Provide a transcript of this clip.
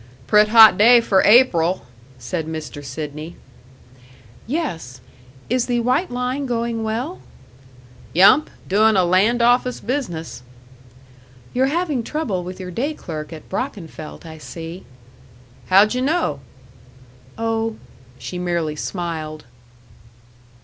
"Prett' hot day for April," said Mr. Sidney. "Yes.... Is the White Line going well?" "Yump. Doing a land office business." "You're having trouble with your day clerk at Brockenfelt, I see." "How juh know?" "Oh " She merely smiled.